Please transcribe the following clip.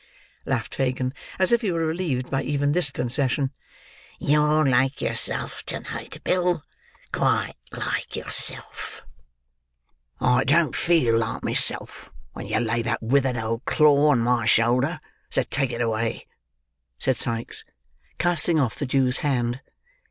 "Ha! ha! ha!" laughed Fagin, as if he were relieved by even this concession. "You're like yourself to night, Bill. Quite like yourself." "I don't feel like myself when you lay that withered old claw on my shoulder, so take it away," said Sikes, casting off the Jew's hand.